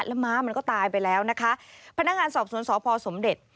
แล้วม้ามันก็ตายไปแล้วนะคะพนักงานสอบสวนสพสมเด็จ